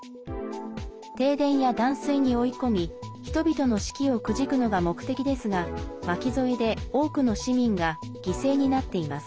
停電や断水に追い込み、人々の士気をくじくのが目的ですが巻き添えで多くの市民が犠牲になっています。